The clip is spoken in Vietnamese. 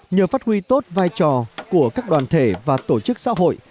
nhờ phát huy tốt vai trò của các đoàn thể và tổ chức xã hội